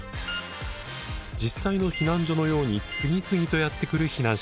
実際の避難所のように次々とやって来る避難者。